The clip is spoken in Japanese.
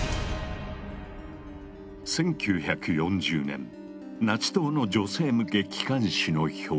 １９４０年ナチ党の女性向け機関紙の表紙。